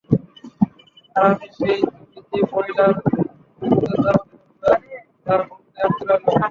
আর আমি, সেই তুমি যে মহিলার বিরুদ্ধাচারণ করবে, তার ভূমিকায় আটকে রইলাম।